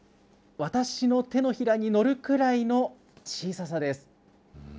私の手のひらに載るくらいの小ささです。